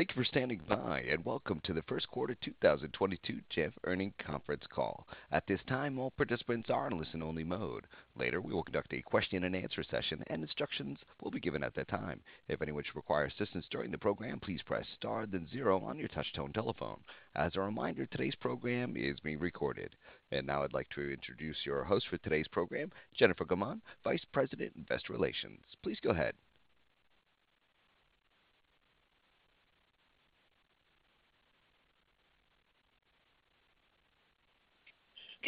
Thank you for standing by, and welcome to the first quarter 2022 Jamf earnings Conference call. At this time, all participants are in listen only mode. Later, we will conduct a question and answer session and instructions will be given at that time. If anyone should require assistance during the program, please press star then zero on your touchtone telephone. As a reminder, today's program is being recorded. Now I'd like to introduce your host for today's program, Jennifer Gaumond, Vice President, Investor Relations. Please go ahead.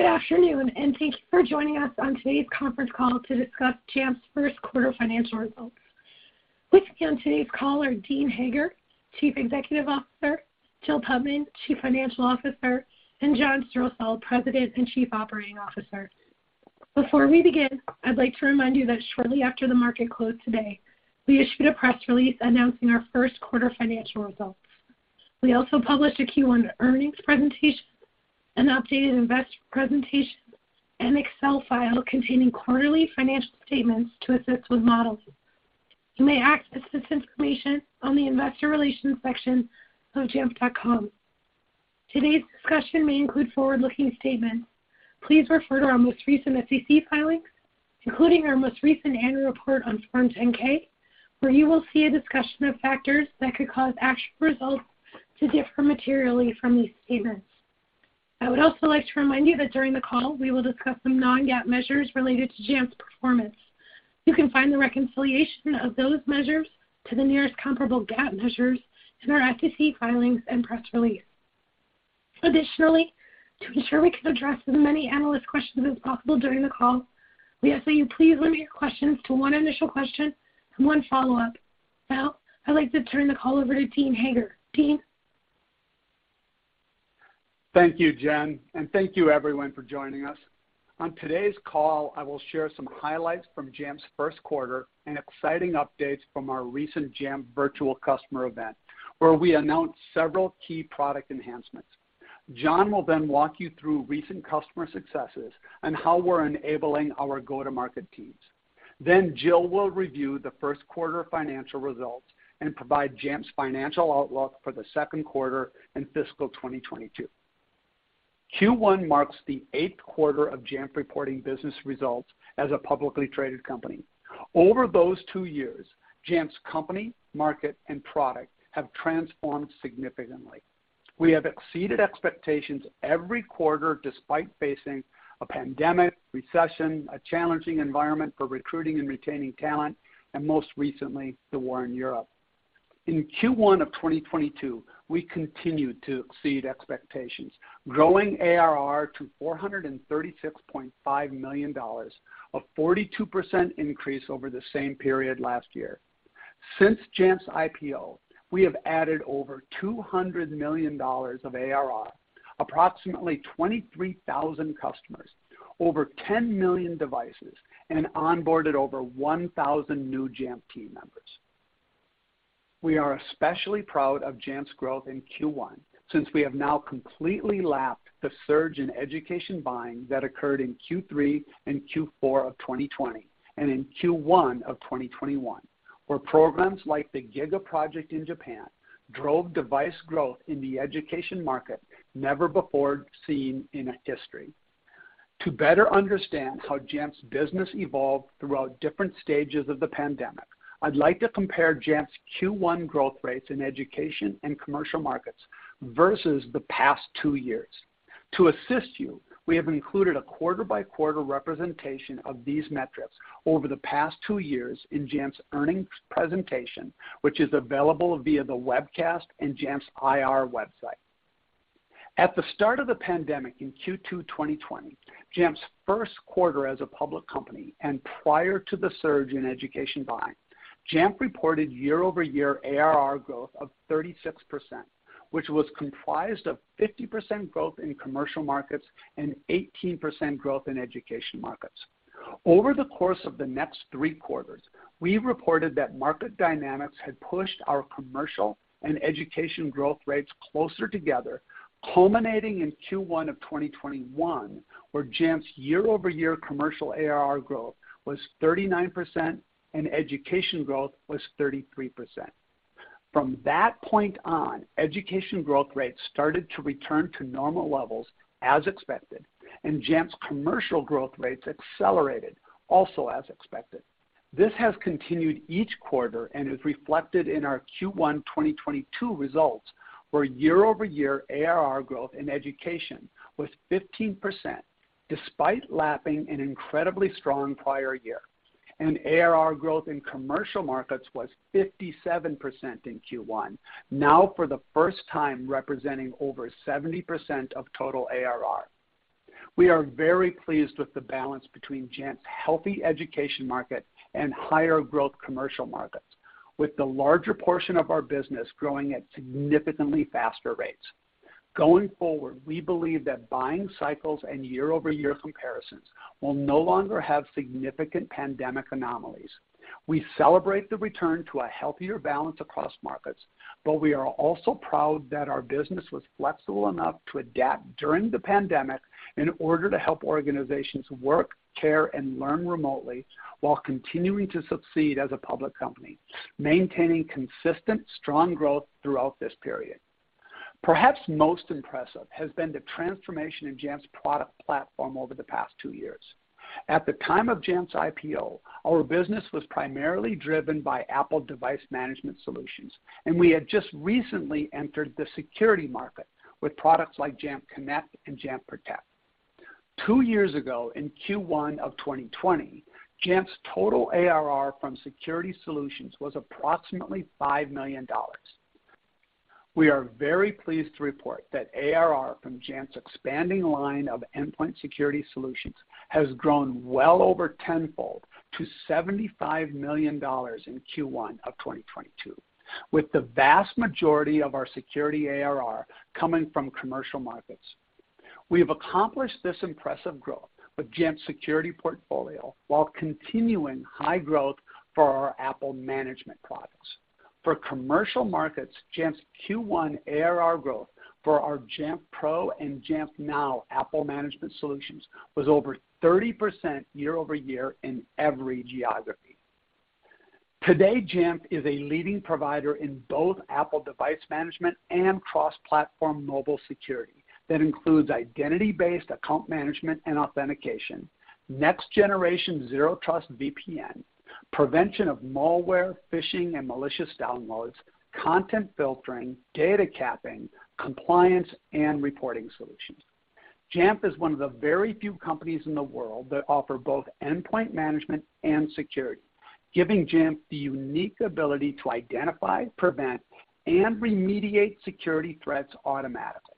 Good afternoon, and thank you for joining us on today's conference call to discuss Jamf's first quarter financial results. With me on today's call are Dean Hager, Chief Executive Officer, Jill Putman, Chief Financial Officer, and John Strosahl, President and Chief Operating Officer. Before we begin, I'd like to remind you that shortly after the market closed today, we issued a press release announcing our first quarter financial results. We also published a Q1 earnings presentation, an updated investor presentation, and Excel file containing quarterly financial statements to assist with modeling. You may access this information on the investor relations section of jamf.com. Today's discussion may include forward-looking statements. Please refer to our most recent SEC filings, including our most recent annual report on Form 10-K, where you will see a discussion of factors that could cause actual results to differ materially from these statements. I would also like to remind you that during the call we will discuss some non-GAAP measures related to Jamf's performance. You can find the reconciliation of those measures to the nearest comparable GAAP measures in our SEC filings and press release. Additionally, to ensure we can address as many analyst questions as possible during the call, we ask that you please limit your questions to one initial question and one follow-up. Now, I'd like to turn the call over to Dean Hager. Dean. Thank you, Jen, and thank you everyone for joining us. On today's call, I will share some highlights from Jamf's first quarter and exciting updates from our recent Jamf virtual customer event, where we announced several key product enhancements. John will then walk you through recent customer successes and how we're enabling our go-to-market teams. Jill will review the first quarter financial results and provide Jamf's financial outlook for the second quarter in fiscal 2022. Q1 marks the eighth quarter of Jamf reporting business results as a publicly traded company. Over those two years, Jamf's company, market, and product have transformed significantly. We have exceeded expectations every quarter despite facing a pandemic, recession, a challenging environment for recruiting and retaining talent, and most recently, the war in Europe. In Q1 of 2022, we continued to exceed expectations, growing ARR to $436.5 million, a 42% increase over the same period last year. Since Jamf's IPO, we have added over $200 million of ARR, approximately 23,000 customers, over 10 million devices, and onboarded over 1,000 new Jamf team members. We are especially proud of Jamf's growth in Q1, since we have now completely lapped the surge in education buying that occurred in Q3 and Q4 of 2020, and in Q1 of 2021, where programs like the GIGA project in Japan drove device growth in the education market never before seen in history. To better understand how Jamf's business evolved throughout different stages of the pandemic, I'd like to compare Jamf's Q1 growth rates in education and commercial markets versus the past two years. To assist you, we have included a quarter-by-quarter representation of these metrics over the past two years in Jamf's earnings presentation, which is available via the webcast and Jamf's IR website. At the start of the pandemic in Q2 2020, Jamf's first quarter as a public company, and prior to the surge in education buying, Jamf reported year-over-year ARR growth of 36%, which was comprised of 50% growth in commercial markets and 18% growth in education markets. Over the course of the next three quarters, we reported that market dynamics had pushed our commercial and education growth rates closer together, culminating in Q1 of 2021, where Jamf's year-over-year commercial ARR growth was 39% and education growth was 33%. From that point on, education growth rates started to return to normal levels as expected, and Jamf's commercial growth rates accelerated, also as expected. This has continued each quarter and is reflected in our Q1 2022 results, where year-over-year ARR growth in education was 15% despite lapping an incredibly strong prior year. ARR growth in commercial markets was 57% in Q1, now for the first time representing over 70% of total ARR. We are very pleased with the balance between Jamf's healthy education market and higher growth commercial markets, with the larger portion of our business growing at significantly faster rates. Going forward, we believe that buying cycles and year-over-year comparisons will no longer have significant pandemic anomalies. We celebrate the return to a healthier balance across markets, but we are also proud that our business was flexible enough to adapt during the pandemic in order to help organizations work, care, and learn remotely while continuing to succeed as a public company, maintaining consistent strong growth throughout this period. Perhaps most impressive has been the transformation in Jamf's product platform over the past two years. At the time of Jamf's IPO, our business was primarily driven by Apple device management solutions, and we had just recently entered the security market with products like Jamf Connect and Jamf Protect. Two years ago, in Q1 of 2020, Jamf's total ARR from security solutions was approximately $5 million. We are very pleased to report that ARR from Jamf's expanding line of endpoint security solutions has grown well over tenfold to $75 million in Q1 of 2022, with the vast majority of our security ARR coming from commercial markets. We have accomplished this impressive growth with Jamf's security portfolio while continuing high growth for our Apple management products. For commercial markets, Jamf's Q1 ARR growth for our Jamf Pro and Jamf Now Apple management solutions was over 30% year-over-year in every geography. Today, Jamf is a leading provider in both Apple device management and cross-platform mobile security that includes identity-based account management and authentication, next-generation zero trust VPN, prevention of malware, phishing, and malicious downloads, content filtering, data capping, compliance, and reporting solutions. Jamf is one of the very few companies in the world that offer both endpoint management and security, giving Jamf the unique ability to identify, prevent, and remediate security threats automatically.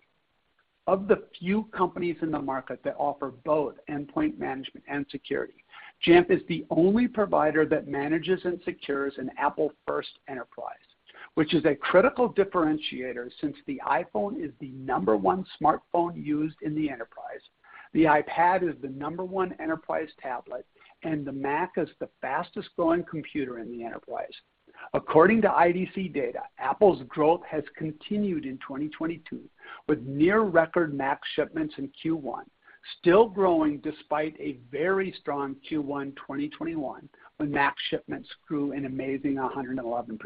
Of the few companies in the market that offer both endpoint management and security, Jamf is the only provider that manages and secures an Apple first enterprise, which is a critical differentiator since the iPhone is the number one smartphone used in the enterprise, the iPad is the number one enterprise tablet, and the Mac is the fastest-growing computer in the enterprise. According to IDC data, Apple's growth has continued in 2022 with near record Mac shipments in Q1, still growing despite a very strong Q1 2021 when Mac shipments grew an amazing 111%.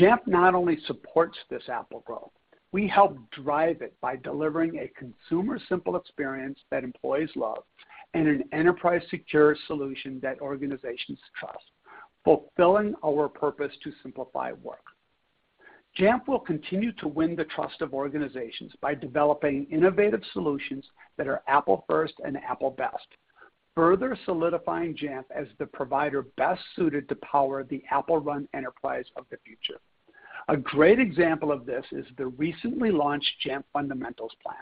Jamf not only supports this Apple growth, we help drive it by delivering a consumer-simple experience that employees love and an enterprise secure solution that organizations trust, fulfilling our purpose to simplify work. Jamf will continue to win the trust of organizations by developing innovative solutions that are Apple first and Apple best, further solidifying Jamf as the provider best suited to power the Apple-run enterprise of the future. A great example of this is the recently launched Jamf Fundamentals plan.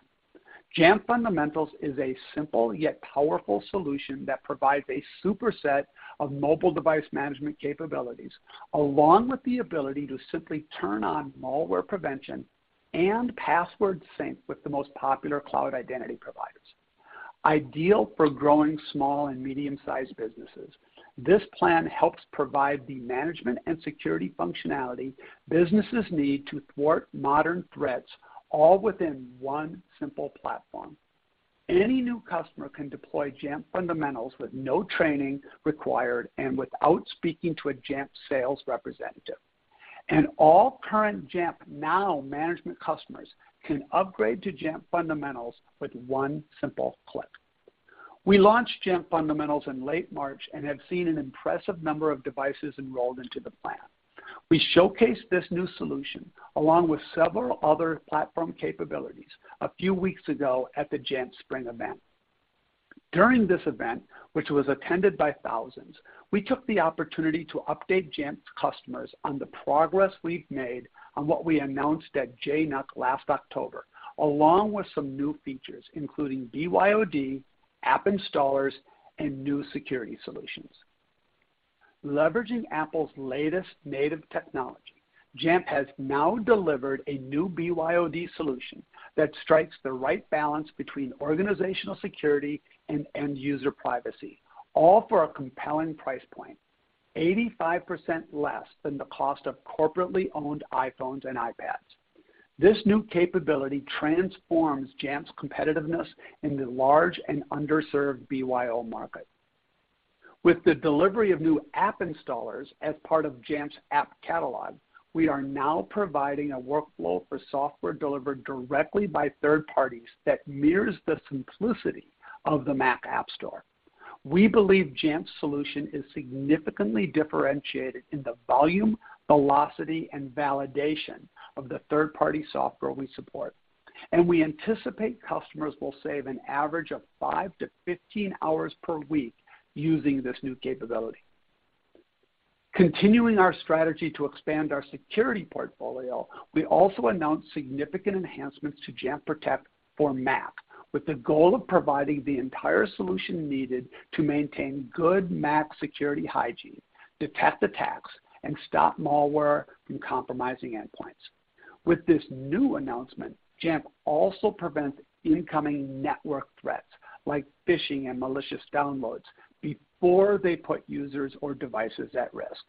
Jamf Fundamentals is a simple yet powerful solution that provides a superset of mobile device management capabilities, along with the ability to simply turn on malware prevention and password sync with the most popular cloud identity providers. Ideal for growing small and medium-sized businesses, this plan helps provide the management and security functionality businesses need to thwart modern threats, all within one simple platform. Any new customer can deploy Jamf Fundamentals with no training required and without speaking to a Jamf sales representative. All current Jamf Now management customers can upgrade to Jamf Fundamentals with one simple click. We launched Jamf Fundamentals in late March and have seen an impressive number of devices enrolled into the plan. We showcased this new solution, along with several other platform capabilities, a few weeks ago at the Jamf spring event. During this event, which was attended by thousands, we took the opportunity to update Jamf's customers on the progress we've made on what we announced at JNUC last October, along with some new features, including BYOD, app installers, and new security solutions. Leveraging Apple's latest native technology, Jamf has now delivered a new BYOD solution that strikes the right balance between organizational security and end user privacy, all for a compelling price point, 85% less than the cost of corporately owned iPhones and iPads. This new capability transforms Jamf's competitiveness in the large and underserved BYO market. With the delivery of new app installers as part of Jamf's app catalog, we are now providing a workflow for software delivered directly by third parties that mirrors the simplicity of the Mac App Store. We believe Jamf's solution is significantly differentiated in the volume, velocity, and validation of the third-party software we support, and we anticipate customers will save an average of 5-15 hours per week using this new capability. Continuing our strategy to expand our security portfolio, we also announced significant enhancements to Jamf Protect for Mac, with the goal of providing the entire solution needed to maintain good Mac security hygiene, detect attacks, and stop malware from compromising endpoints. With this new announcement, Jamf also prevents incoming network threats, like phishing and malicious downloads, before they put users or devices at risk.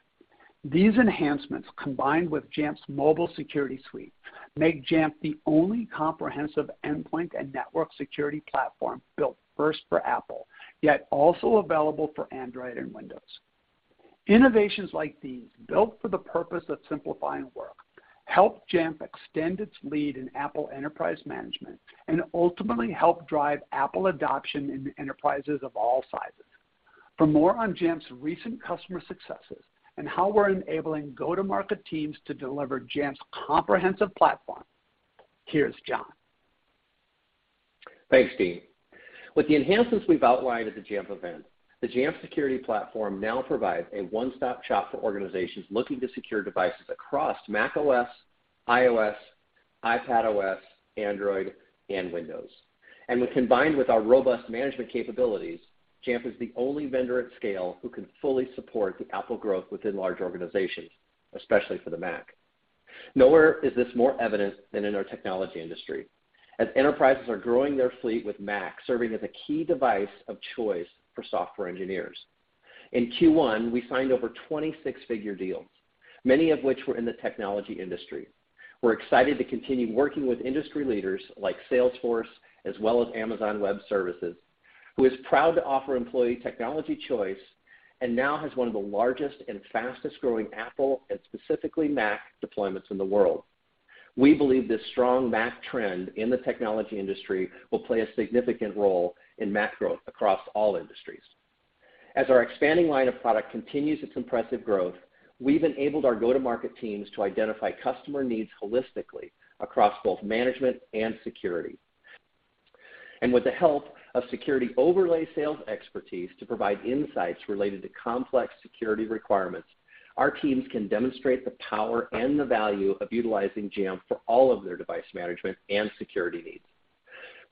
These enhancements, combined with Jamf's mobile security suite, make Jamf the only comprehensive endpoint and network security platform built first for Apple, yet also available for Android and Windows. Innovations like these, built for the purpose of simplifying work, help Jamf extend its lead in Apple enterprise management and ultimately help drive Apple adoption in enterprises of all sizes. For more on Jamf's recent customer successes and how we're enabling go-to-market teams to deliver Jamf's comprehensive platform, here's John. Thanks, Dean. With the enhancements we've outlined at the Jamf event, the Jamf Security Platform now provides a one-stop shop for organizations looking to secure devices across macOS, iOS, iPadOS, Android, and Windows. When combined with our robust management capabilities, Jamf is the only vendor at scale who can fully support the Apple growth within large organizations, especially for the Mac. Nowhere is this more evident than in our technology industry, as enterprises are growing their fleet with Mac serving as a key device of choice for software engineers. In Q1, we signed over 20 six-figure deals, many of which were in the technology industry. We're excited to continue working with industry leaders like Salesforce, as well as Amazon Web Services, who is proud to offer employee technology choice and now has one of the largest and fastest-growing Apple, and specifically Mac, deployments in the world. We believe this strong Mac trend in the technology industry will play a significant role in Mac growth across all industries. As our expanding line of products continues its impressive growth, we've enabled our go-to-market teams to identify customer needs holistically across both management and security. With the help of security overlay sales expertise to provide insights related to complex security requirements, our teams can demonstrate the power and the value of utilizing Jamf for all of their device management and security needs.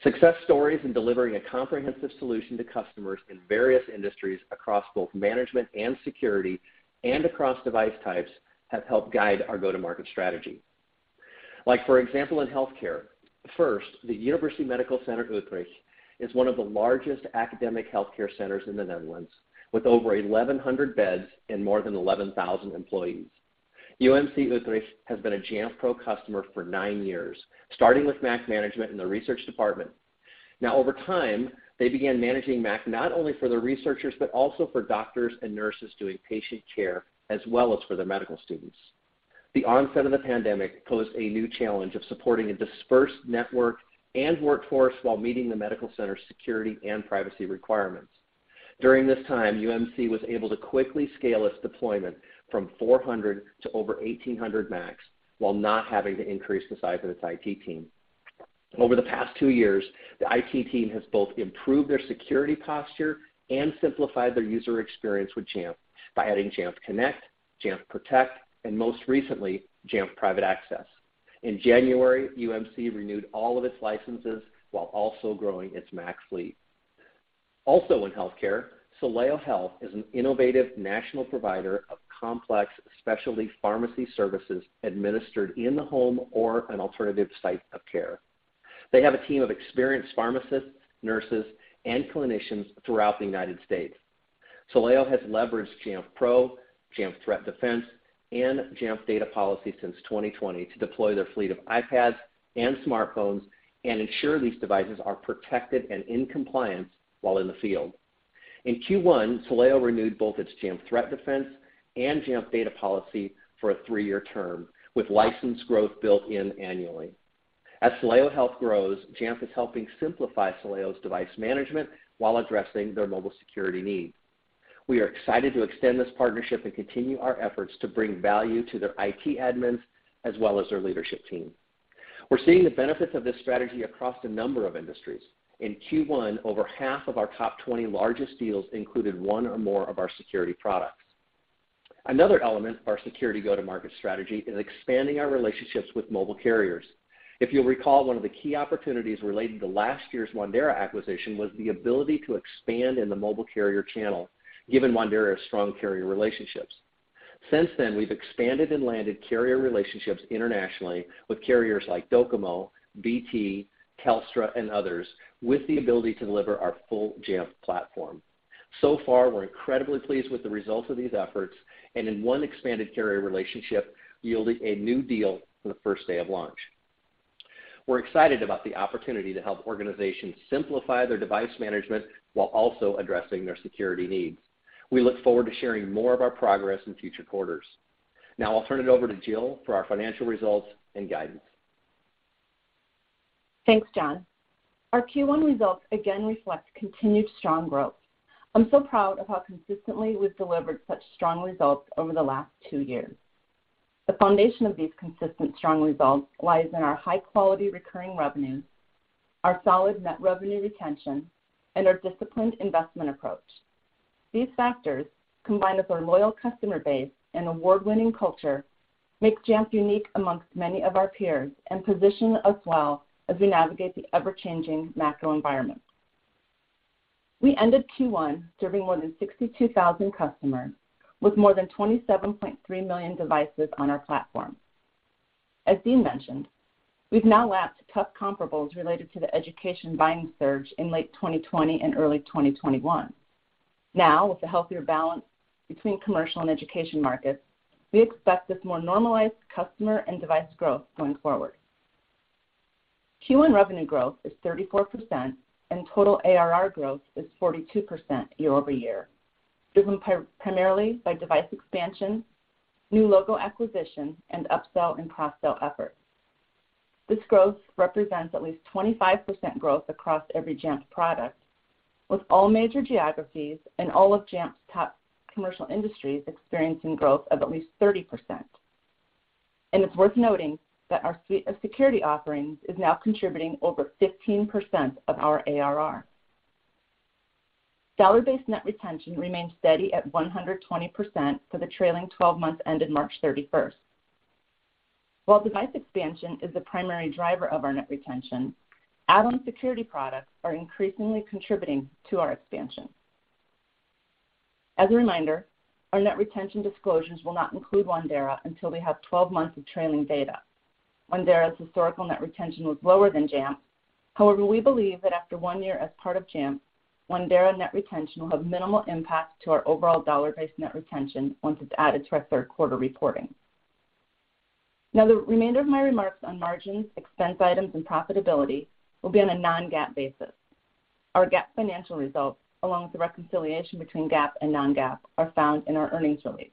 Success stories in delivering a comprehensive solution to customers in various industries across both management and security and across device types have helped guide our go-to-market strategy. Like, for example, in healthcare. First, the University Medical Center Utrecht is one of the largest academic healthcare centers in the Netherlands, with over 1,100 beds and more than 11,000 employees. UMC Utrecht has been a Jamf Pro customer for nine years, starting with Mac management in their research department. Now, over time, they began managing Mac not only for their researchers, but also for doctors and nurses doing patient care, as well as for their medical students. The onset of the pandemic posed a new challenge of supporting a dispersed network and workforce while meeting the medical center's security and privacy requirements. During this time, UMC was able to quickly scale its deployment from 400 to over 1,800 Macs while not having to increase the size of its IT team. Over the past two years, the IT team has both improved their security posture and simplified their user experience with Jamf by adding Jamf Connect, Jamf Protect, and most recently, Jamf Private Access. In January, UMC renewed all of its licenses while also growing its Mac fleet. In healthcare, Soleo Health is an innovative national provider of complex specialty pharmacy services administered in the home or an alternative site of care. They have a team of experienced pharmacists, nurses, and clinicians throughout the United States. Soleo has leveraged Jamf Pro, Jamf Threat Defense, and Jamf Data Policy since 2020 to deploy their fleet of iPads and smartphones and ensure these devices are protected and in compliance while in the field. In Q1, Soleo renewed both its Jamf Threat Defense and Jamf Data Policy for a three-year term, with license growth built in annually. As Soleo Health grows, Jamf is helping simplify Soleo's device management while addressing their mobile security needs. We are excited to extend this partnership and continue our efforts to bring value to their IT admins as well as their leadership team. We're seeing the benefits of this strategy across a number of industries. In Q1, over half of our top 20 largest deals included one or more of our security products. Another element of our security go-to-market strategy is expanding our relationships with mobile carriers. If you'll recall, one of the key opportunities relating to last year's Wandera acquisition was the ability to expand in the mobile carrier channel, given Wandera's strong carrier relationships. Since then, we've expanded and landed carrier relationships internationally with carriers like Docomo, BT, Telstra, and others, with the ability to deliver our full Jamf platform. So far, we're incredibly pleased with the results of these efforts, and in one expanded carrier relationship, yielding a new deal on the first day of launch. We're excited about the opportunity to help organizations simplify their device management while also addressing their security needs. We look forward to sharing more of our progress in future quarters. Now I'll turn it over to Jill for our financial results and guidance. Thanks, John. Our Q1 results again reflect continued strong growth. I'm so proud of how consistently we've delivered such strong results over the last two years. The foundation of these consistent strong results lies in our high-quality recurring revenue, our solid net revenue retention, and our disciplined investment approach. These factors, combined with our loyal customer base and award-winning culture, make Jamf unique amongst many of our peers and position us well as we navigate the ever-changing macro environment. We ended Q1 serving more than 62,000 customers with more than 27.3 million devices on our platform. As Dean mentioned, we've now lapped tough comparables related to the education buying surge in late 2020 and early 2021. Now, with a healthier balance between commercial and education markets, we expect this more normalized customer and device growth going forward. Q1 revenue growth is 34% and total ARR growth is 42% year-over-year, driven primarily by device expansion, new logo acquisition, and upsell and cross-sell efforts. This growth represents at least 25% growth across every Jamf product, with all major geographies and all of Jamf's top commercial industries experiencing growth of at least 30%. It's worth noting that our suite of security offerings is now contributing over 15% of our ARR. Dollar-based net retention remains steady at 120% for the trailing twelve months ended March thirty-first. While device expansion is the primary driver of our net retention, add-on security products are increasingly contributing to our expansion. As a reminder, our net retention disclosures will not include Wandera until we have 12 months of trailing data. Wandera's historical net retention was lower than Jamf. However, we believe that after one year as part of Jamf, Wandera net retention will have minimal impact to our overall dollar-based net retention once it's added to our third quarter reporting. Now, the remainder of my remarks on margins, expense items, and profitability will be on a non-GAAP basis. Our GAAP financial results, along with the reconciliation between GAAP and non-GAAP, are found in our earnings release.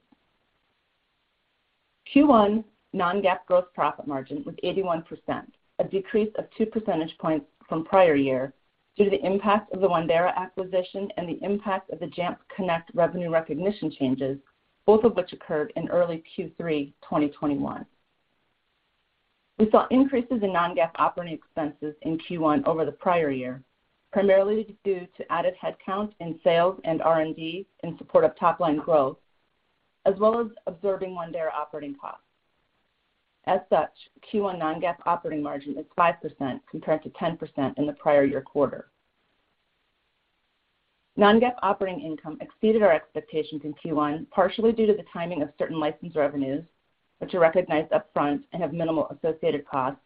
Q1 non-GAAP gross profit margin was 81%, a decrease of two percentage points from prior year due to the impact of the Wandera acquisition and the impact of the Jamf Connect revenue recognition changes, both of which occurred in early Q3 2021. We saw increases in non-GAAP operating expenses in Q1 over the prior year, primarily due to added headcount in sales and R&D in support of top-line growth, as well as absorbing Wandera operating costs. As such, Q1 non-GAAP operating margin is 5% compared to 10% in the prior year quarter. Non-GAAP operating income exceeded our expectations in Q1, partially due to the timing of certain license revenues, which are recognized upfront and have minimal associated costs,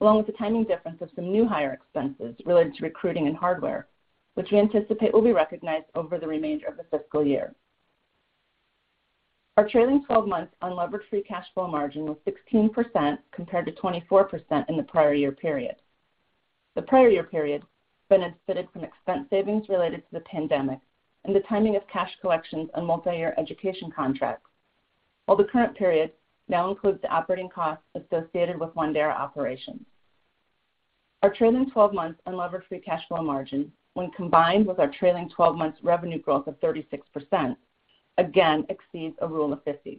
along with the timing difference of some new hire expenses related to recruiting and hardware, which we anticipate will be recognized over the remainder of the fiscal year. Our trailing twelve-month unlevered free cash flow margin was 16% compared to 24% in the prior year period. The prior year period benefited from expense savings related to the pandemic and the timing of cash collections on multi-year education contracts, while the current period now includes the operating costs associated with Wandera operations. Our trailing twelve-month unlevered free cash flow margin, when combined with our trailing twelve-months revenue growth of 36%, again exceeds a rule of fifties.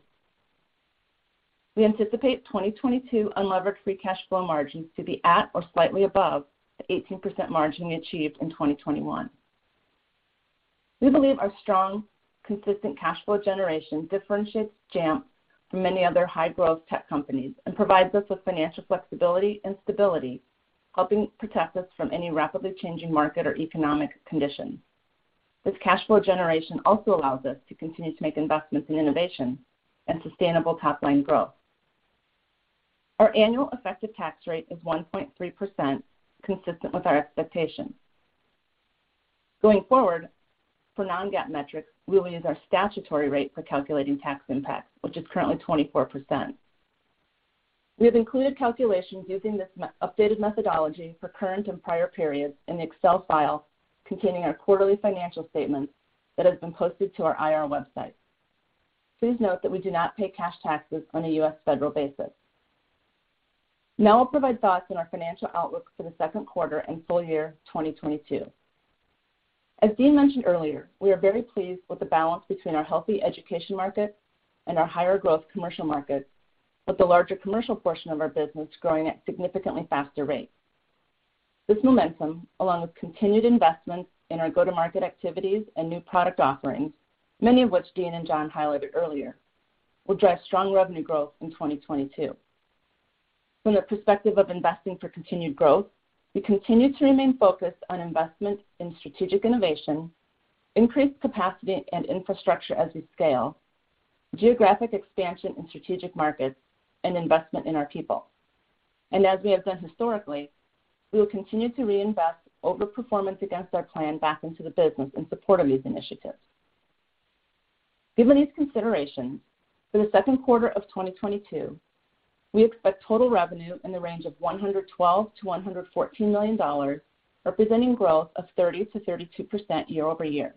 We anticipate 2022 unlevered free cash flow margins to be at or slightly above the 18% margin we achieved in 2021. We believe our strong, consistent cash flow generation differentiates Jamf from many other high-growth tech companies and provides us with financial flexibility and stability, helping protect us from any rapidly changing market or economic conditions. This cash flow generation also allows us to continue to make investments in innovation and sustainable top-line growth. Our annual effective tax rate is 1.3%, consistent with our expectations. Going forward, for non-GAAP metrics, we will use our statutory rate for calculating tax impacts, which is currently 24%. We have included calculations using this updated methodology for current and prior periods in the Excel file containing our quarterly financial statements that has been posted to our IR website. Please note that we do not pay cash taxes on a U.S. federal basis. Now I'll provide thoughts on our financial outlook for the second quarter and full year 2022. As Dean mentioned earlier, we are very pleased with the balance between our healthy education markets and our higher growth commercial markets, with the larger commercial portion of our business growing at significantly faster rates. This momentum, along with continued investments in our go-to-market activities and new product offerings, many of which Dean and John highlighted earlier, will drive strong revenue growth in 2022. From the perspective of investing for continued growth, we continue to remain focused on investments in strategic innovation, increased capacity and infrastructure as we scale, geographic expansion in strategic markets, and investment in our people. As we have done historically, we will continue to reinvest overperformance against our plan back into the business in support of these initiatives. Given these considerations, for the second quarter of 2022, we expect total revenue in the range of $112 million-$114 million, representing growth of 30%-32% year-over-year.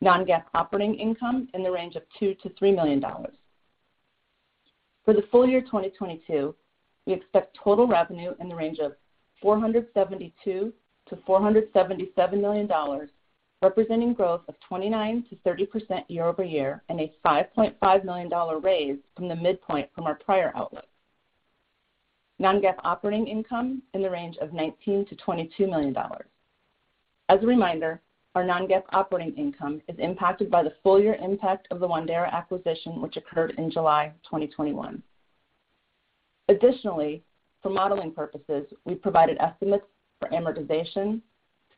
Non-GAAP operating income in the range of $2 million-$3 million. For the full year 2022, we expect total revenue in the range of $472 million-$477 million, representing growth of 29%-30% year-over-year and a $5.5 million raise from the midpoint from our prior outlook. Non-GAAP operating income in the range of $19 million-$22 million. As a reminder, our non-GAAP operating income is impacted by the full year impact of the Wandera acquisition, which occurred in July 2021. Additionally, for modeling purposes, we provided estimates for amortization,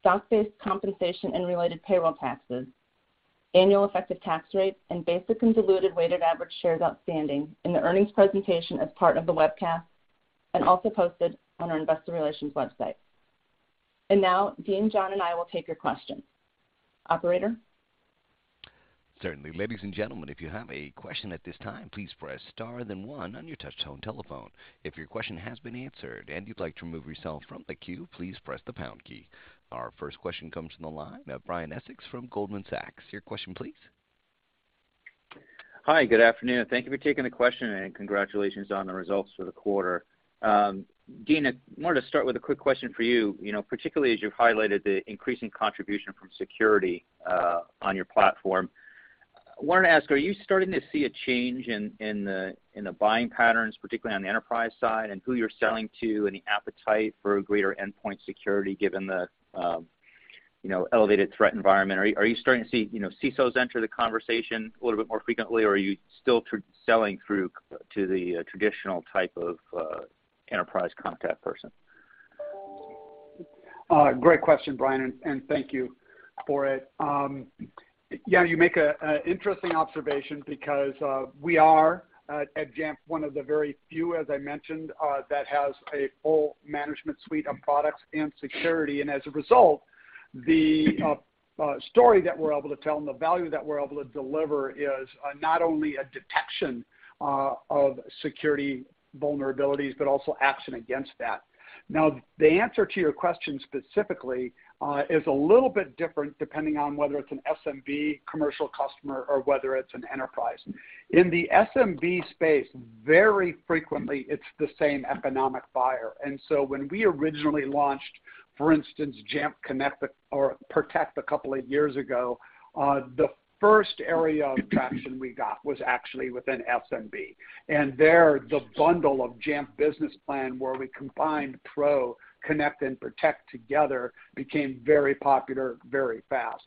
stock-based compensation and related payroll taxes, annual effective tax rate, and basic and diluted weighted average shares outstanding in the earnings presentation as part of the webcast, and also posted on our investor relations website. Now, Dean, John, and I will take your questions. Operator? Certainly. Ladies and gentlemen, if you have a question at this time, please press star then one on your touch tone telephone. If your question has been answered and you'd like to remove yourself from the queue, please press the pound key. Our first question comes from the line of Brian Essex from Goldman Sachs. Your question please. Hi, good afternoon. Thank you for taking the question, and congratulations on the results for the quarter. Dean, I wanted to start with a quick question for you. You know, particularly as you've highlighted the increasing contribution from security on your platform. Wanted to ask, are you starting to see a change in the buying patterns, particularly on the enterprise side and who you're selling to and the appetite for greater endpoint security given the elevated threat environment? Are you starting to see, you know, CISOs enter the conversation a little bit more frequently, or are you still selling through to the traditional type of enterprise contact person? Great question, Brian, and thank you for it. Yeah, you make a interesting observation because we are at Jamf one of the very few, as I mentioned, that has a full management suite of products and security. As a result, the story that we're able to tell and the value that we're able to deliver is not only a detection of security vulnerabilities, but also action against that. Now, the answer to your question specifically is a little bit different depending on whether it's an SMB commercial customer or whether it's an enterprise. In the SMB space, very frequently it's the same economic buyer. When we originally launched, for instance, Jamf Connect or Protect a couple of years ago, the first area of traction we got was actually within SMB. There, the bundle of Jamf Business Plan, where we combined Pro, Connect and Protect together became very popular, very fast.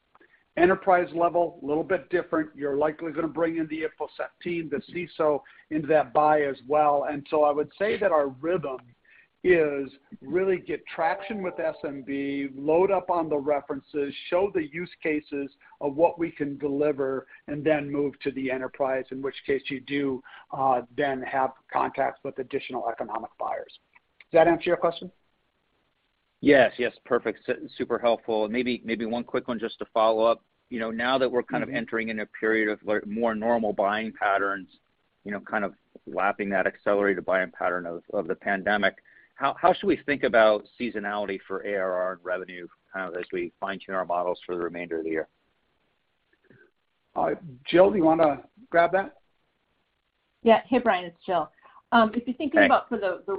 Enterprise level, little bit different. You're likely gonna bring in the info sec team, the CISO into that buy as well. I would say that our rhythm is really get traction with SMB, load up on the references, show the use cases of what we can deliver, and then move to the enterprise, in which case you do, then have contacts with additional economic buyers. Does that answer your question? Yes. Perfect. Super helpful. Maybe one quick one just to follow up. You know, now that we're kind of entering in a period of more normal buying patterns, you know, kind of lapping that accelerated buying pattern of the pandemic, how should we think about seasonality for ARR and revenue kind of as we fine-tune our models for the remainder of the year? Jill, do you wanna grab that? Yeah. Hey, Brian, it's Jill. If you're thinking- Thanks. About for the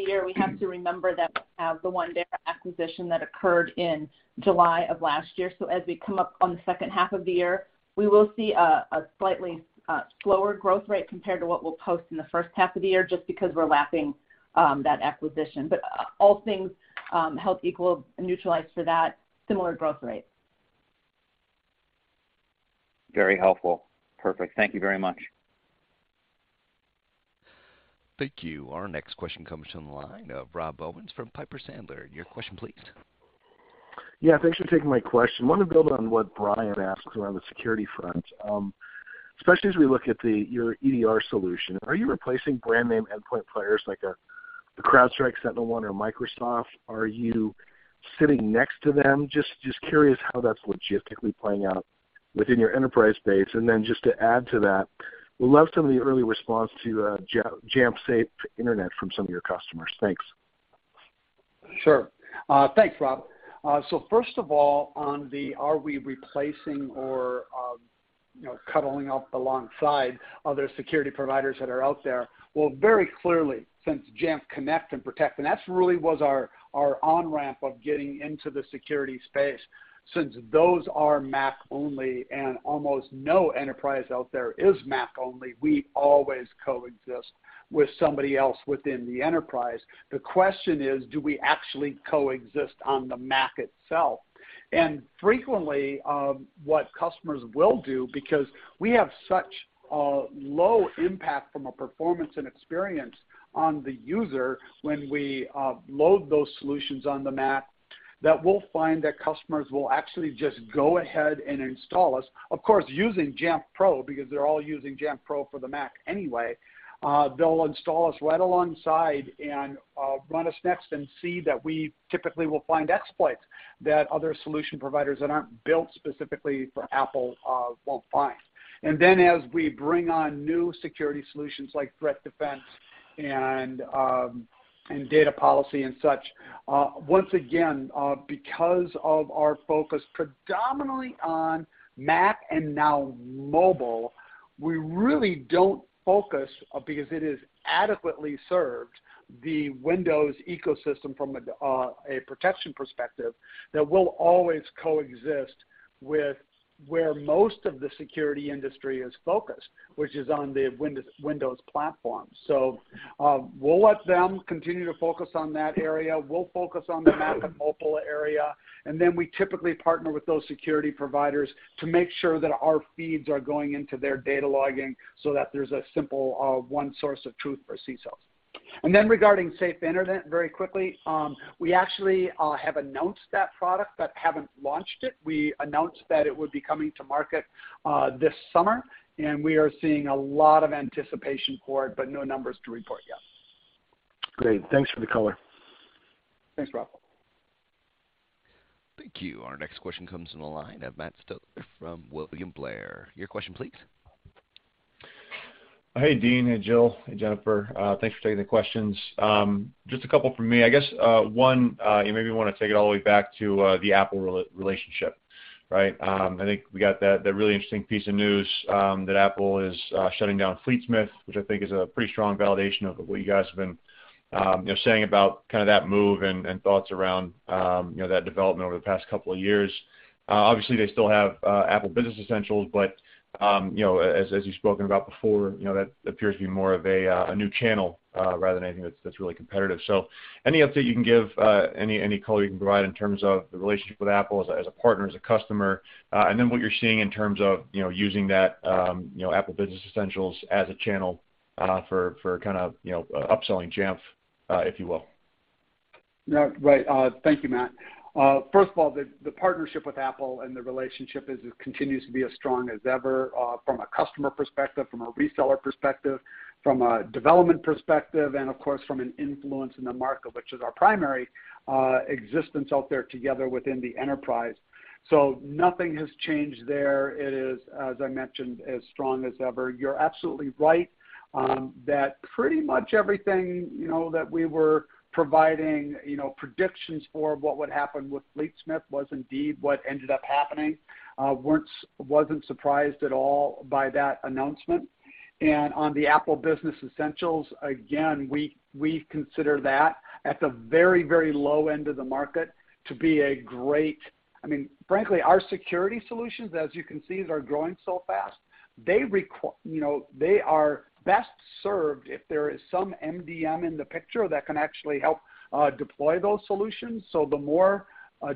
year, we have to remember that we have the Wandera acquisition that occurred in July of last year. As we come up on the second half of the year, we will see a slightly slower growth rate compared to what we'll post in the first half of the year just because we're lapping that acquisition. All things held equal and neutralize for that similar growth rate. Very helpful. Perfect. Thank you very much. Thank you. Our next question comes from the line of Rob Owens from Piper Sandler. Your question please. Yeah, thanks for taking my question. Wanted to build on what Brian asked around the security front. Especially as we look at your EDR solution, are you replacing brand name endpoint players like the CrowdStrike, SentinelOne or Microsoft? Are you sitting next to them? Just curious how that's logistically playing out within your enterprise base. Just to add to that, would love some of the early response to Jamf Safe Internet from some of your customers. Thanks. Sure. Thanks, Rob. First of all, are we replacing or, you know, cozying up alongside other security providers that are out there. Well, very clearly since Jamf Connect and Protect, and that's really was our on-ramp of getting into the security space. Since those are Mac only and almost no enterprise out there is Mac only, we always coexist with somebody else within the enterprise. The question is, do we actually coexist on the Mac itself? Frequently, what customers will do, because we have such low impact from a performance and experience on the user when we load those solutions on the Mac, that we'll find that customers will actually just go ahead and install us, of course, using Jamf Pro, because they're all using Jamf Pro for the Mac anyway. They'll install us right alongside and run us next and see that we typically will find exploits that other solution providers that aren't built specifically for Apple won't find. Then as we bring on new security solutions like threat defense and data policy and such, once again, because of our focus predominantly on Mac and now mobile, we really don't focus because it is adequately served the Windows ecosystem from a protection perspective, that we'll always coexist with where most of the security industry is focused, which is on the Windows platform. We'll let them continue to focus on that area. We'll focus on the Mac and mobile area, and then we typically partner with those security providers to make sure that our feeds are going into their data logging so that there's a simple, one source of truth for CISOs. Then regarding Safe Internet, very quickly, we actually have announced that product but haven't launched it. We announced that it would be coming to market, this summer, and we are seeing a lot of anticipation for it, but no numbers to report yet. Great. Thanks for the color. Thanks, Rob. Thank you. Our next question comes from the line of Matt Stotler from William Blair. Your question, please. Hey, Dean. Hey, Jill. Hey, Jennifer. Thanks for taking the questions. Just a couple from me. I guess one, you maybe wanna take it all the way back to the Apple relationship, right? I think we got that really interesting piece of news that Apple is shutting down Fleetsmith, which I think is a pretty strong validation of what you guys have been you know, saying about kinda that move and thoughts around you know, that development over the past couple of years. Obviously, they still have Apple Business Essentials, but you know, as you've spoken about before, you know, that appears to be more of a new channel rather than anything that's really competitive. Any update you can give, any color you can provide in terms of the relationship with Apple as a partner, as a customer, and then what you're seeing in terms of, you know, using that, you know, Apple Business Essentials as a channel, for kind of, you know, upselling Jamf, if you will? Yeah. Right. Thank you, Matt. First of all, the partnership with Apple and the relationship is continues to be as strong as ever, from a customer perspective, from a reseller perspective, from a development perspective, and of course, from an influence in the market, which is our primary existence out there together within the enterprise. Nothing has changed there. It is, as I mentioned, as strong as ever. You are absolutely right, that pretty much everything, you know, that we were providing, you know, predictions for what would happen with Fleetsmith was indeed what ended up happening. Wasn't surprised at all by that announcement. On the Apple Business Essentials, again, we consider that at the very low end of the market to be a great. I mean, frankly, our security solutions, as you can see, are growing so fast. They you know, they are best served if there is some MDM in the picture that can actually help deploy those solutions. The more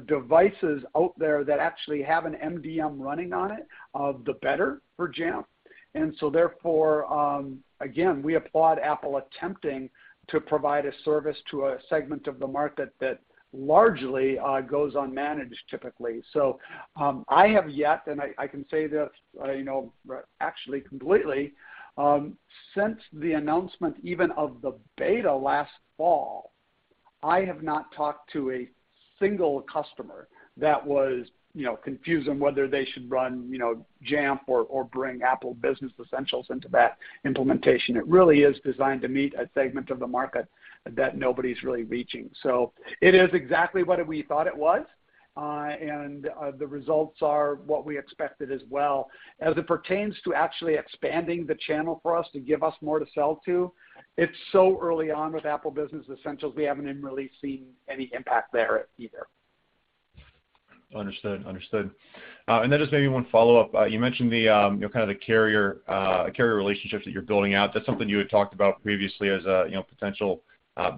devices out there that actually have an MDM running on it, the better for Jamf. Therefore, again, we applaud Apple attempting to provide a service to a segment of the market that largely goes unmanaged typically. I have yet, and I can say this, you know, actually completely, since the announcement even of the beta last fall, I have not talked to a single customer that was, you know, confused on whether they should run, you know, Jamf or bring Apple Business Essentials into that implementation. It really is designed to meet a segment of the market that nobody's really reaching. It is exactly what we thought it was, and the results are what we expected as well. As it pertains to actually expanding the channel for us to give us more to sell to, it's so early on with Apple Business Essentials. We haven't even really seen any impact there either. Understood. Just maybe one follow-up. You mentioned the, you know, kind of the carrier relationships that you're building out. That's something you had talked about previously as a, you know, potential,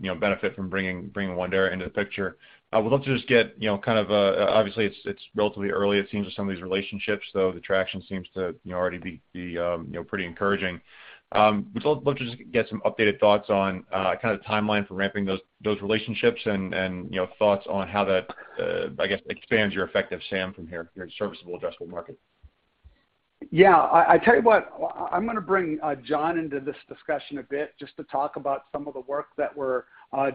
you know, benefit from bringing Wandera into the picture. I would love to just get, you know, kind of a, obviously it's relatively early it seems with some of these relationships, though the traction seems to, you know, already be, you know, pretty encouraging. I'd love to just get some updated thoughts on, kind of the timeline for ramping those relationships and, you know, thoughts on how that, I guess expands your effective SAM from here, your serviceable addressable market. I tell you what, I'm gonna bring John into this discussion a bit just to talk about some of the work that we're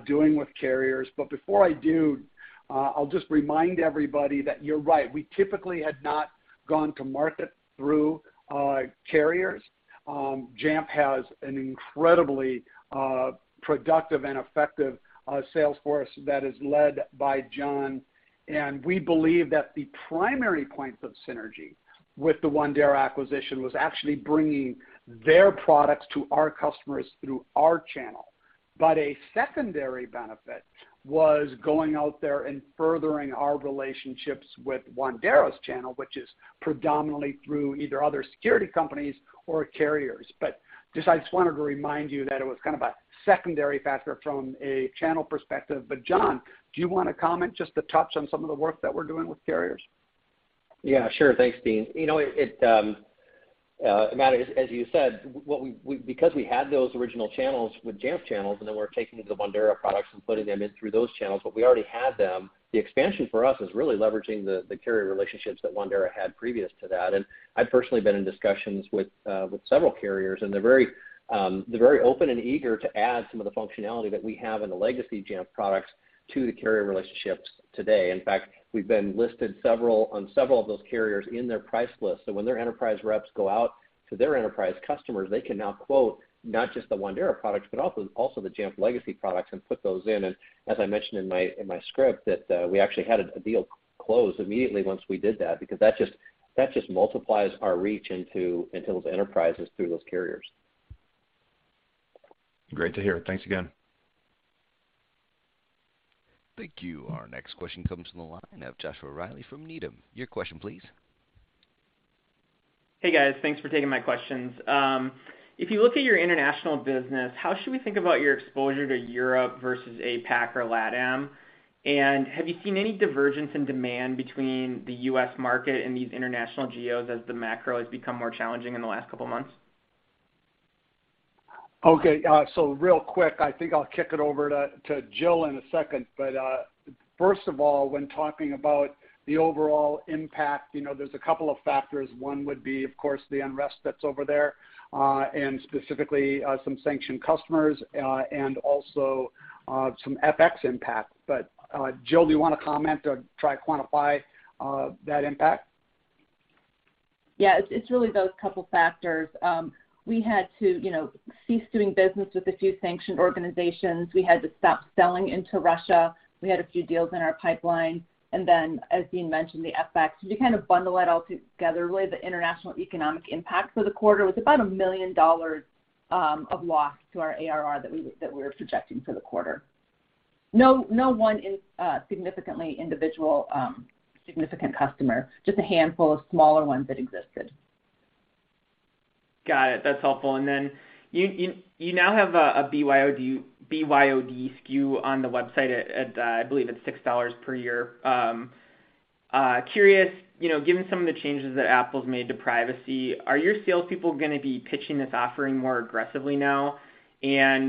doing with carriers. Before I do, I'll just remind everybody that you're right. We typically had not gone to market through carriers. Jamf has an incredibly productive and effective sales force that is led by John. We believe that the primary points of synergy with the Wandera acquisition was actually bringing their products to our customers through our channel. A secondary benefit was going out there and furthering our relationships with Wandera's channel, which is predominantly through either other security companies or carriers. I wanted to remind you that it was kind of a secondary factor from a channel perspective. John, do you wanna comment just to touch on some of the work that we're doing with carriers? Yeah, sure. Thanks, Dean. You know, Matt, as you said, because we had those original channels with Jamf channels, and then we're taking the Wandera products and putting them in through those channels, but we already had them. The expansion for us is really leveraging the carrier relationships that Wandera had previous to that. I've personally been in discussions with several carriers, and they're very open and eager to add some of the functionality that we have in the legacy Jamf products to the carrier relationships today. In fact, we've been listed on several of those carriers in their price list. When their enterprise reps go out to their enterprise customers, they can now quote not just the Wandera products, but also the Jamf legacy products and put those in. As I mentioned in my script that we actually had a deal close immediately once we did that because that just multiplies our reach into those enterprises through those carriers. Great to hear. Thanks again. Thank you. Our next question comes from the line of Joshua Reilly from Needham. Your question please. Hey, guys. Thanks for taking my questions. If you look at your international business, how should we think about your exposure to Europe versus APAC or LATAM? Have you seen any divergence in demand between the U.S. market and these international geos as the macro has become more challenging in the last couple of months? Okay, so real quick, I think I'll kick it over to Jill in a second. First of all, when talking about the overall impact, you know, there's a couple of factors. One would be, of course, the unrest that's over there, and specifically, some sanctioned customers, and also, some FX impact. Jill, do you wanna comment or try to quantify that impact? Yeah, it's really those couple factors. We had to, you know, cease doing business with a few sanctioned organizations. We had to stop selling into Russia. We had a few deals in our pipeline, and then as Dean mentioned, the FX. If you kind of bundle it all together, really the international economic impact for the quarter was about $1 million of loss to our ARR that we were projecting for the quarter. No one individual significant customer, just a handful of smaller ones that existed. Got it. That's helpful. You now have a BYOD SKU on the website. I believe it's $6 per year. Curious, you know, given some of the changes that Apple's made to privacy, are your salespeople gonna be pitching this offering more aggressively now?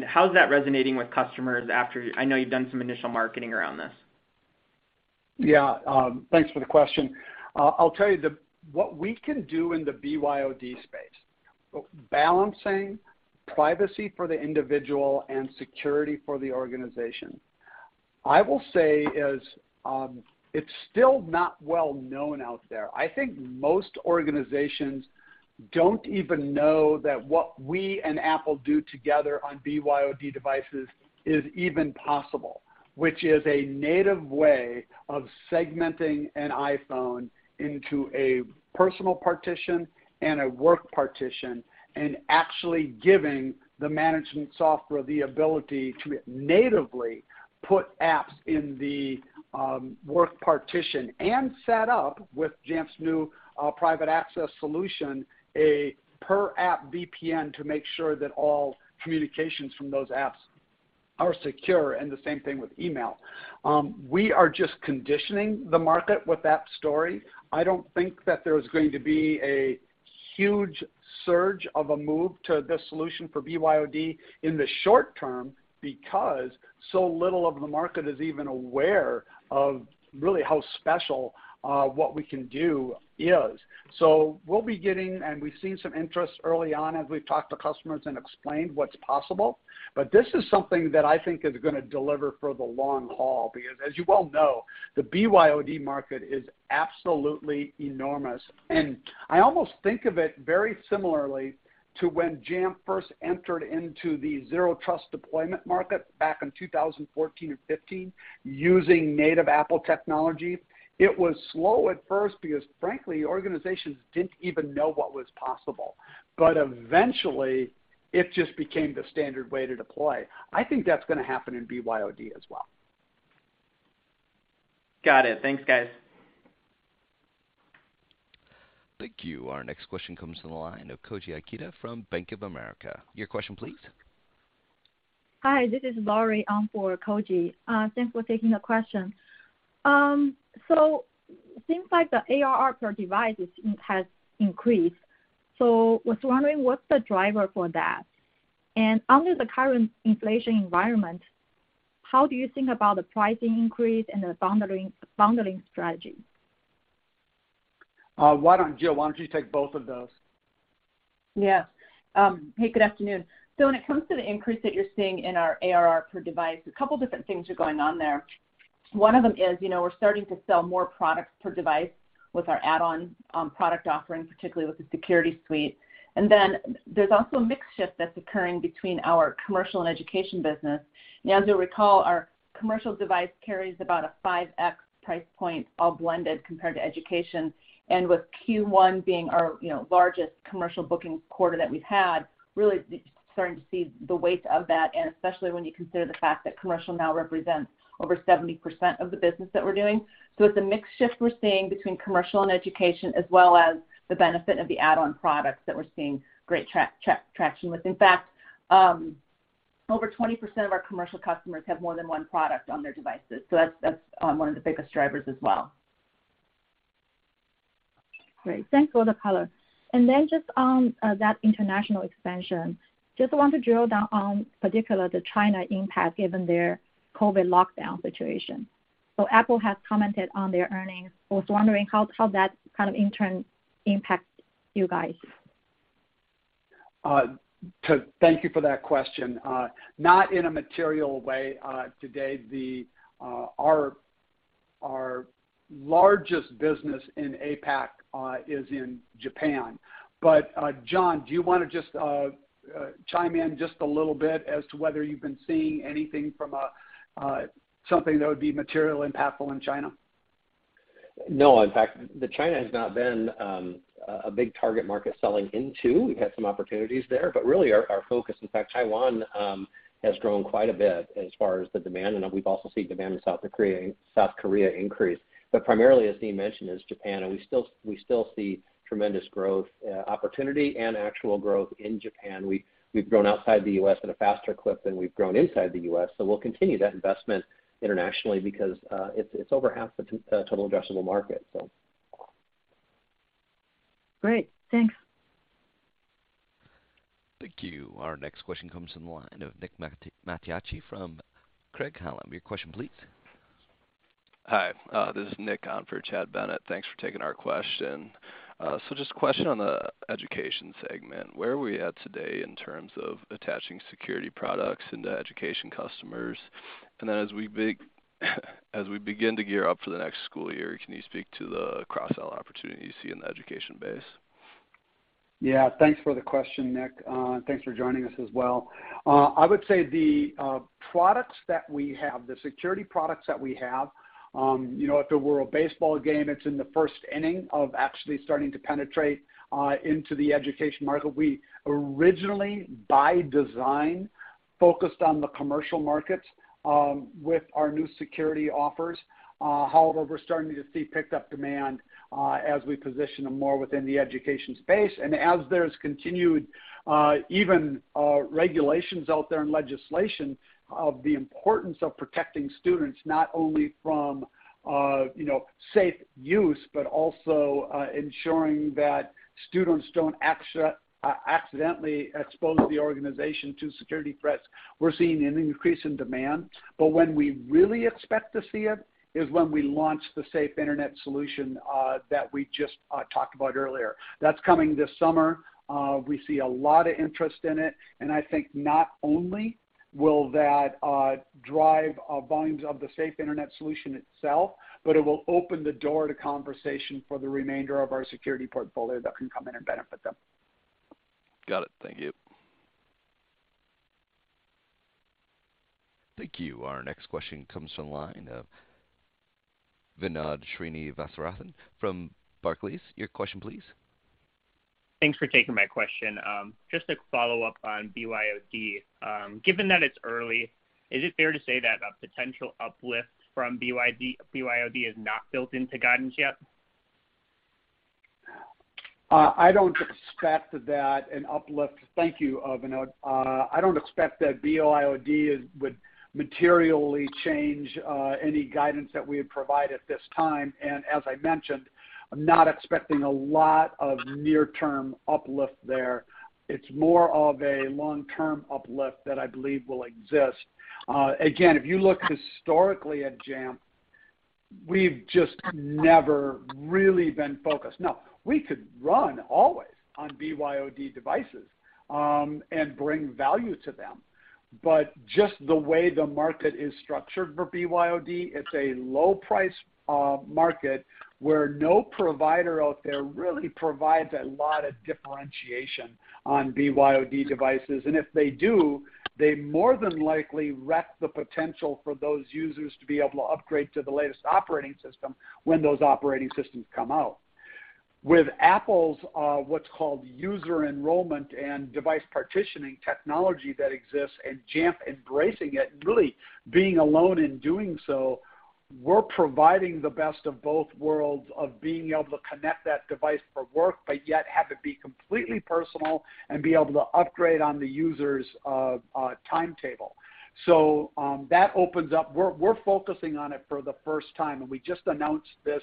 How's that resonating with customers? I know you've done some initial marketing around this. Yeah. Thanks for the question. I'll tell you what we can do in the BYOD space, balancing privacy for the individual and security for the organization, I will say is, it's still not well known out there. I think most organizations don't even know that what we and Apple do together on BYOD devices is even possible, which is a native way of segmenting an iPhone into a personal partition and a work partition, and actually giving the management software the ability to natively put apps in the work partition and set up with Jamf's new Private Access solution, a per app VPN to make sure that all communications from those apps are secure, and the same thing with email. We are just conditioning the market with that story. I don't think that there's going to be a huge surge of a move to this solution for BYOD in the short term because so little of the market is even aware of really how special what we can do is. We'll be getting, and we've seen some interest early on as we've talked to customers and explained what's possible, but this is something that I think is gonna deliver for the long haul. Because as you well know, the BYOD market is absolutely enormous. I almost think of it very similarly to when Jamf first entered into the zero trust deployment market back in 2014 and 2015 using native Apple technology. It was slow at first because frankly, organizations didn't even know what was possible. Eventually, it just became the standard way to deploy. I think that's gonna happen in BYOD as well. Got it. Thanks, guys. Thank you. Our next question comes from the line of Koji Ikeda from Bank of America. Your question please. Hi, this is Lori on for Koji Ikeda. Thanks for taking the question. Things like the ARR per device has increased. Was wondering, what's the driver for that? And under the current inflation environment, how do you think about the pricing increase and the bundling strategy? Jill, why don't you take both of those? Yes. Hey, good afternoon. When it comes to the increase that you're seeing in our ARR per device, a couple different things are going on there. One of them is, you know, we're starting to sell more products per device with our add-on product offerings, particularly with the security suite. Then there's also a mix shift that's occurring between our commercial and education business. Now, as you'll recall, our commercial device carries about a 5x price point all blended compared to education. With Q1 being our, you know, largest commercial booking quarter that we've had, really starting to see the weight of that, and especially when you consider the fact that commercial now represents over 70% of the business that we're doing. It's a mix shift we're seeing between commercial and education as well as the benefit of the add-on products that we're seeing great traction with. In fact, over 20% of our commercial customers have more than one product on their devices. That's one of the biggest drivers as well. Great. Thanks for the color. Just on that international expansion, just want to drill down on particularly the China impact given their COVID lockdown situation. Apple has commented on their earnings. I was wondering how that kind of in turn impacts you guys. Thank you for that question. Not in a material way today. Our largest business in APAC is in Japan. John, do you wanna just chime in just a little bit as to whether you've been seeing anything from something that would be material impactful in China? No. In fact, China has not been a big target market selling into. We've had some opportunities there, but really our focus, in fact, Taiwan has grown quite a bit as far as the demand, and we've also seen demand in South Korea increase. Primarily, as Dean mentioned, is Japan, and we still see tremendous growth opportunity and actual growth in Japan. We've grown outside the U.S. at a faster clip than we've grown inside the U.S., so we'll continue that investment internationally because it's over half the total addressable market. Great. Thanks. Thank you. Our next question comes from the line of Nick Mattiacci from Craig-Hallum. Your question please. Hi. This is Nick on for Chad Bennett. Thanks for taking our question. So just a question on the education segment. Where are we at today in terms of attaching security products into education customers? As we begin to gear up for the next school year, can you speak to the cross-sell opportunity you see in the education base? Yeah, thanks for the question, Nick. And thanks for joining us as well. I would say the products that we have, the security products that we have, you know, if it were a baseball game, it's in the first inning of actually starting to penetrate into the education market. We originally, by design, focused on the commercial markets with our new security offers. However, we're starting to see picked up demand as we position them more within the education space. As there's continued even regulations out there and legislation of the importance of protecting students, not only from, you know, safe use, but also ensuring that students don't accidentally expose the organization to security threats, we're seeing an increase in demand. When we really expect to see it is when we launch the Safe Internet solution that we just talked about earlier. That's coming this summer. We see a lot of interest in it, and I think not only will that drive volumes of the Safe Internet solution itself, but it will open the door to conversation for the remainder of our security portfolio that can come in and benefit them. Got it. Thank you. Thank you. Our next question comes from line of Vinod Srinivasaraghavan from Barclays. Your question, please. Thanks for taking my question. Just a follow-up on BYOD. Given that it's early, is it fair to say that a potential uplift from BYOD is not built into guidance yet? I don't expect that an uplift. Thank you, Vinod. I don't expect that BYOD would materially change any guidance that we had provided this time. As I mentioned, I'm not expecting a lot of near-term uplift there. It's more of a long-term uplift that I believe will exist. Again, if you look historically at Jamf, we've just never really been focused. Now, we could run always on BYOD devices, and bring value to them. But just the way the market is structured for BYOD, it's a low-price market where no provider out there really provides a lot of differentiation on BYOD devices. If they do, they more than likely wreck the potential for those users to be able to upgrade to the latest operating system when those operating systems come out. With Apple's what's called User Enrollment and device partitioning technology that exists and Jamf embracing it, really being alone in doing so, we're providing the best of both worlds of being able to connect that device for work, but yet have it be completely personal and be able to upgrade on the user's timetable. That opens up. We're focusing on it for the first time, and we just announced this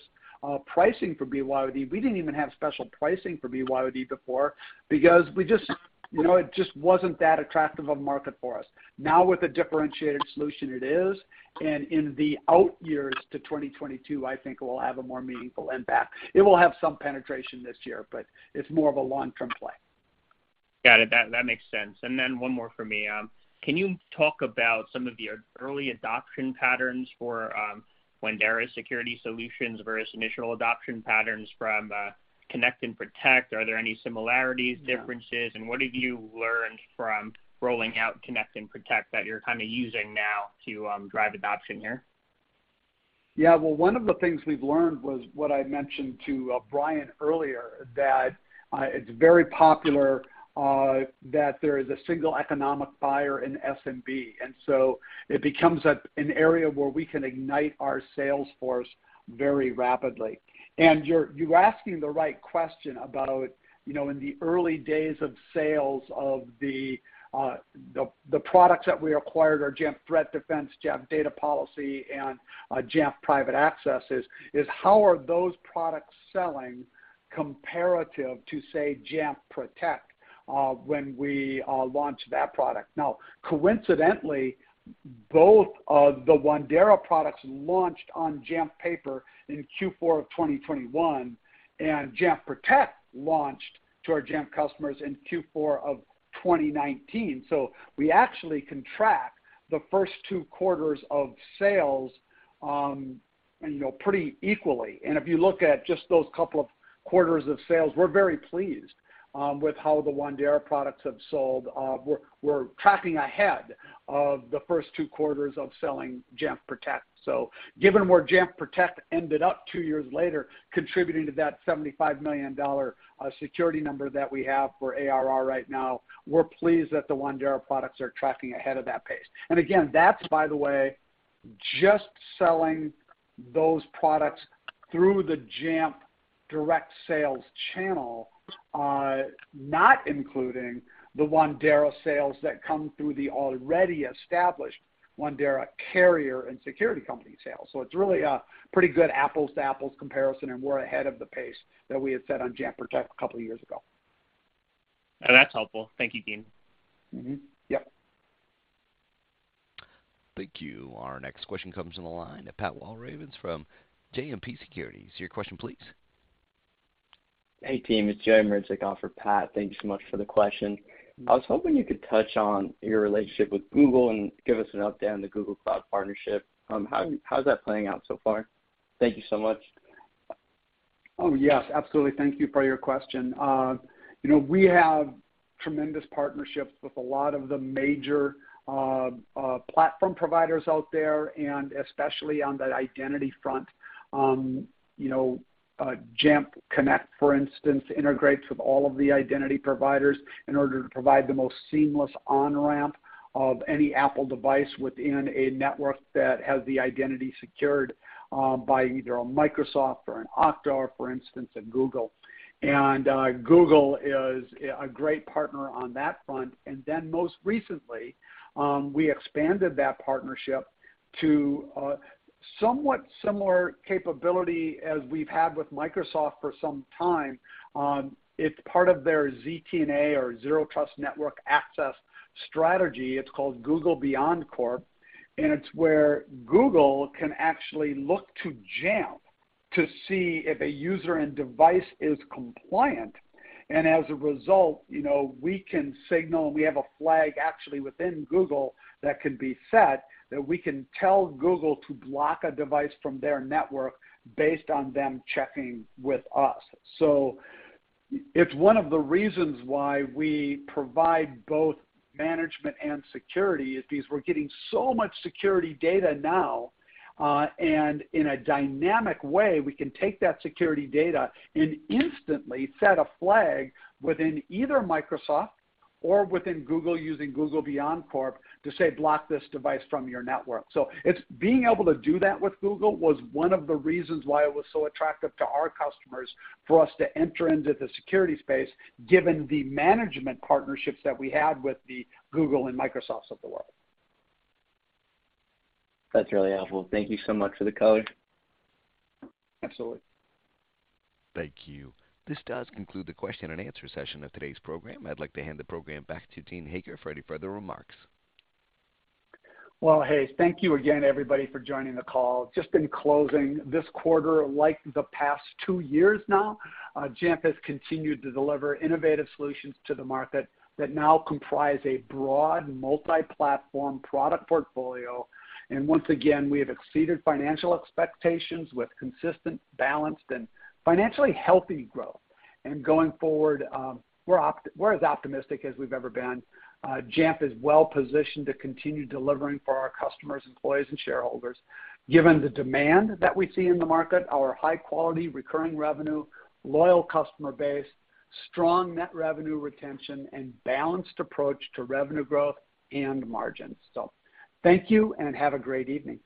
pricing for BYOD. We didn't even have special pricing for BYOD before because we just, you know, it just wasn't that attractive a market for us. Now with a differentiated solution, it is. In the out years to 2022, I think it will have a more meaningful impact. It will have some penetration this year, but it's more of a long-term play. Got it. That makes sense. One more for me. Can you talk about some of your early adoption patterns for Wandera security solutions versus initial adoption patterns from Connect and Protect? Are there any similarities, differences? What have you learned from rolling out Connect and Protect that you're kind of using now to drive adoption here? Yeah. Well, one of the things we've learned was what I mentioned to Brian earlier, that it's very popular, that there is a single economic buyer in SMB. It becomes an area where we can ignite our sales force very rapidly. You're asking the right question about, you know, in the early days of sales of the products that we acquired, our Jamf Threat Defense, Jamf Data Policy, and Jamf Private Access, how are those products selling compared to, say, Jamf Protect when we launched that product. Now, coincidentally, both of the Wandera products launched on Jamf Pro in Q4 of 2021, and Jamf Protect launched to our Jamf customers in Q4 of 2019. We actually can track the first two quarters of sales, you know, pretty equally. If you look at just those couple of quarters of sales, we're very pleased with how the Wandera products have sold. We're tracking ahead of the first two quarters of selling Jamf Protect. Given where Jamf Protect ended up two years later, contributing to that $75 million security number that we have for ARR right now, we're pleased that the Wandera products are tracking ahead of that pace. That's, by the way, just selling those products through the Jamf direct sales channel, not including the Wandera sales that come through the already established Wandera carrier and security company sales. It's really a pretty good apples-to-apples comparison, and we're ahead of the pace that we had set on Jamf Protect a couple years ago. That's helpful. Thank you, Dean. Mm-hmm. Yep. Thank you. Our next question comes from the line of Pat Walravens from JMP Securities. Your question, please. Hey, team. It's Joe Mrzick for Pat. Thank you so much for the question. I was hoping you could touch on your relationship with Google and give us an update on the Google Cloud partnership. How's that playing out so far? Thank you so much. Oh, yes, absolutely. Thank you for your question. You know, we have tremendous partnerships with a lot of the major platform providers out there, and especially on the identity front. You know, Jamf Connect, for instance, integrates with all of the identity providers in order to provide the most seamless on-ramp of any Apple device within a network that has the identity secured by either a Microsoft or an Okta, for instance, and Google. Google is a great partner on that front. Most recently, we expanded that partnership to somewhat similar capability as we've had with Microsoft for some time. It's part of their ZTNA or Zero Trust Network Access strategy. It's called Google BeyondCorp, and it's where Google can actually look to Jamf to see if a user and device is compliant. As a result, you know, we can signal, and we have a flag actually within Google that can be set, that we can tell Google to block a device from their network based on them checking with us. It's one of the reasons why we provide both management and security is because we're getting so much security data now, and in a dynamic way, we can take that security data and instantly set a flag within either Microsoft or within Google using Google BeyondCorp to say, "Block this device from your network." It's being able to do that with Google was one of the reasons why it was so attractive to our customers for us to enter into the security space, given the management partnerships that we had with the Google and Microsofts of the world. That's really helpful. Thank you so much for the color. Absolutely. Thank you. This does conclude the question and answer session of today's program. I'd like to hand the program back to Dean Hager for any further remarks. Well, hey, thank you again, everybody, for joining the call. Just in closing, this quarter, like the past two years now, Jamf has continued to deliver innovative solutions to the market that now comprise a broad multi-platform product portfolio. Once again, we have exceeded financial expectations with consistent, balanced, and financially healthy growth. Going forward, we're as optimistic as we've ever been. Jamf is well-positioned to continue delivering for our customers, employees, and shareholders, given the demand that we see in the market, our high-quality recurring revenue, loyal customer base, strong net revenue retention, and balanced approach to revenue growth and margins. Thank you and have a great evening.